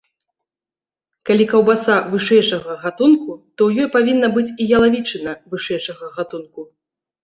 Калі каўбаса вышэйшага гатунку, то ў ёй павінна быць і ялавічына вышэйшага гатунку.